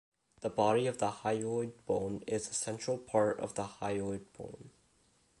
The body of the hyoid bone is the central part of the hyoid bone.